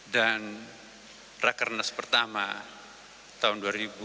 dan raker nas pertama tahun dua ribu dua puluh